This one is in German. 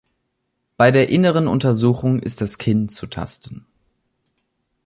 Bei der inneren Untersuchung ist das Kinn zu tasten.